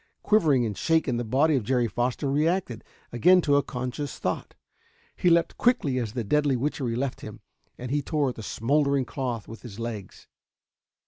Quivering and shaken, the body of Jerry Foster reacted again to a conscious thought. He leaped quickly as the deadly witchery left him, and he tore at the smoldering cloth about his legs.